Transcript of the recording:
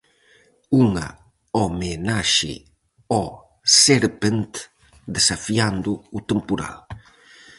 Unha homenaxe ao Serpent desafiando o temporal.